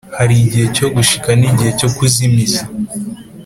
Harigihe cyo gushska nigihe cyo kuzimiza